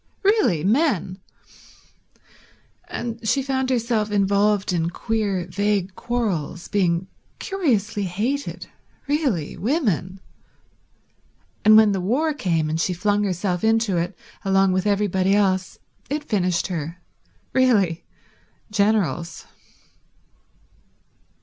Really men ... And she found herself involved in queer vague quarrels, being curiously hated. Really women ... And when the war came, and she flung herself into it along with everybody else, it finished her. Really generals